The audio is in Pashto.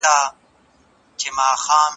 د فرد او دولت ترمنځ اړیکه څو اړخیزه ده.